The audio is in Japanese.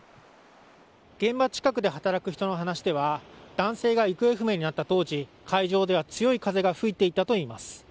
現場近くで働く人の話では男性が行方不明になった当時海上では強い風が吹いていたといいます。